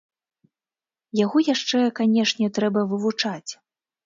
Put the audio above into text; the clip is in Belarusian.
Яго яшчэ, канечне, трэба вывучаць.